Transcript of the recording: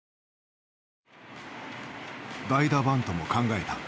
代打バントも考えた。